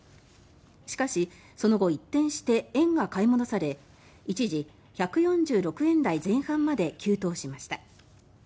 しかし、その後一転して円が買い戻され一時、１４６円台前半まで急騰しました。